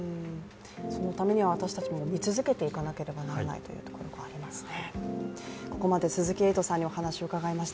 そのためには私たちも見続けていかなければならないというところがありますね。